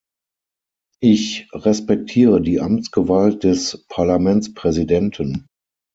Ich respektiere die Amtsgewalt des Parlamentspräsidenten.